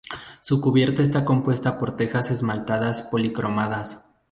Su cubierta está compuesta por tejas esmaltadas policromadas.